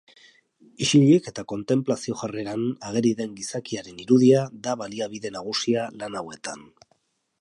Isilik eta kontenplazio jarreran ageri den gizakiaren irudia da baliabide nagusia lan hauetan.